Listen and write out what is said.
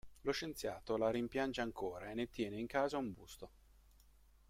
Lo scienziato la rimpiange ancora e ne tiene in casa un busto.